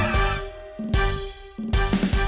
สวัสดีค่ะ